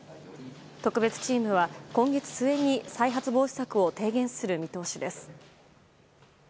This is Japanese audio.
特別チームは今月末に再発防止策を提言する見通しです。